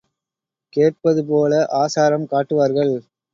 கேட்பதுபோல ஆசாரம் காட்டுவார்கள்.